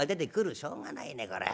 しょうがないねこりゃ。